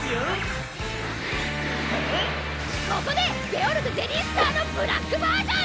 ここでゲオルグゼリー．Ｓｔａｒのブラックバージョン！